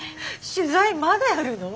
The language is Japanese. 取材まだやるの？